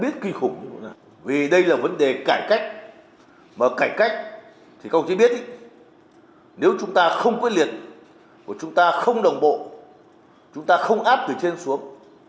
thì không chỉ biết ý nếu chúng ta không quyết liệt chúng ta không đồng bộ chúng ta không áp từ trên xuống